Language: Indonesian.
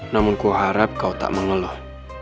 namun ku harap kau tak mengeluh